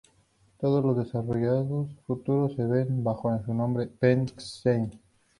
Todos los desarrollos futuros se venden bajo el nombre BenQ-Siemens.